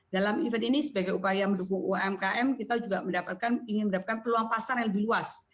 dalam event ini sebagai upaya mendukung umkm kita juga ingin mendapatkan peluang pasar yang lebih luas